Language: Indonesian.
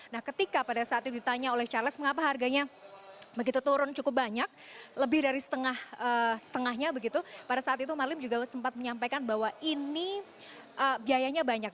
nah ketika pada saat itu ditanya oleh charles mengapa harganya begitu turun cukup banyak lebih dari setengahnya begitu pada saat itu marlim juga sempat menyampaikan bahwa ini biayanya banyak